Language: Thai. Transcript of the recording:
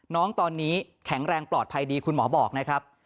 น้องตอนนี้แข็งแรงปลอดภัยดีคุณหมอบอกนะครับ